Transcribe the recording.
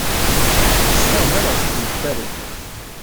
Cfiɣ mlaleɣ-t-id deg Paris.